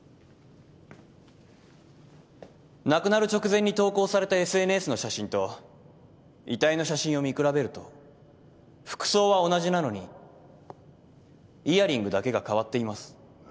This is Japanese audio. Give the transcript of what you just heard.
亡くなる直前に投稿されたＳＮＳの写真と遺体の写真を見比べると服装は同じなのにイヤリングだけがかわっています。